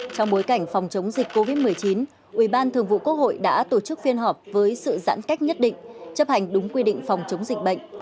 trong bối cảnh phòng chống dịch covid một mươi chín ủy ban thường vụ quốc hội đã tổ chức phiên họp với sự giãn cách nhất định chấp hành đúng quy định phòng chống dịch bệnh